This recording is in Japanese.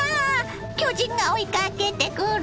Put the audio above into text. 巨人が追いかけてくる！